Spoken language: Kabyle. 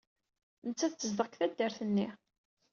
Nettat tezdeɣ deg taddart-nni.